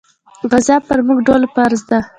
غزا پر موږ ټولو فرض ده.